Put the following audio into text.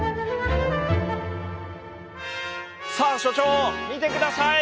さあ所長見て下さい！